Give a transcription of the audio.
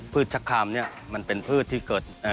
ชะคามเนี่ยมันเป็นพืชที่เกิด